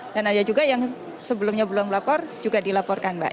dan ada juga yang sebelumnya belum lapor juga dilaporkan mbak